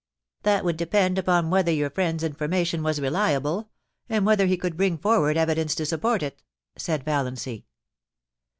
* That would depend upon whether your friend's informa tion was reliable, and whether he could bring forward evidence to support it,' said Valiancy.